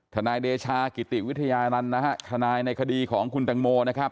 นายเดชากิติวิทยานันต์นะฮะทนายในคดีของคุณตังโมนะครับ